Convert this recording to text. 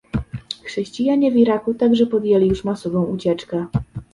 Chrześcijanie w Iraku także podjęli już masową ucieczkę